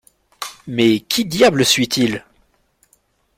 Mais qui diable suit-il?